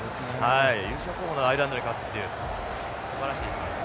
優勝候補のアイルランドに勝つっていうすばらしいですね。